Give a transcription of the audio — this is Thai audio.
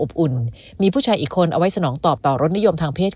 อุ่นมีผู้ชายอีกคนเอาไว้สนองตอบต่อรสนิยมทางเพศ